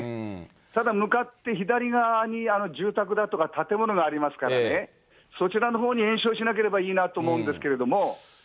ただ向かって左側に住宅だとか建物がありますからね、そちらのほうに延焼しなければいいなと思うんですけども。